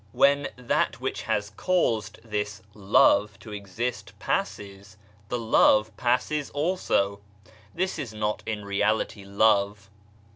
When that which has caused this " love " to exist passes, the love passes also ; this is not in reality love.